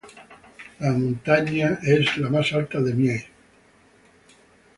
La montaña es la más alta de Mie.